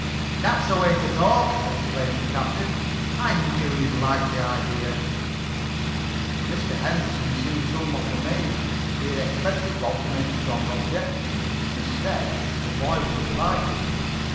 "That's the way to talk!" exclaimed the captain. "I knew he'd like the idea!" Mr. Henderson seemed somewhat amazed. He had expected Bob to make strong objections. Instead the boy was delighted.